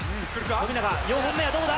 富永、４本目はどうだ？